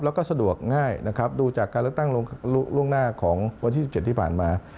แล้วก็สะดวกง่ายนะครับดูจากการเลือกตั้งล่วงหน้าของวันที่๑๗ที่ผ่านมา